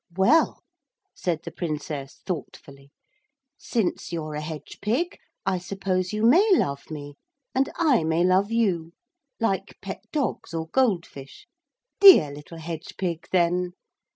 'Well,' said the Princess thoughtfully, 'since you're a hedge pig I suppose you may love me, and I may love you. Like pet dogs or gold fish. Dear little hedge pig, then!'